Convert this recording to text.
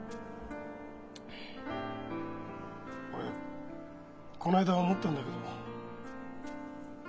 俺この間思ったんだけど。